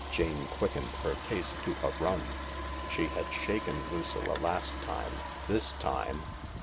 Jane quickened her pace to a run. She had shaken Lucilla last time. Thistime